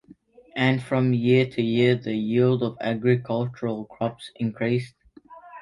And from year to year the yield of agricultural crops increased.